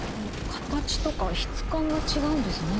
形とか質感が違うんですね。